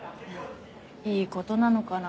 いい事なのかな。